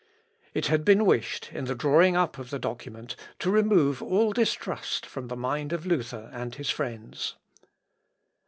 It had been wished, in the drawing up of the document, to remove all distrust from the mind of Luther and his friends.